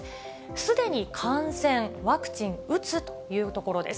すでに感染、ワクチン打つ？というところです。